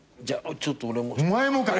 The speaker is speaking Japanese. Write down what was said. じゃちょっと俺も。